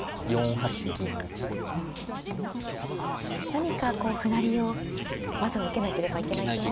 何かこう歩成りをまずは受けなければいけないと思うんですが。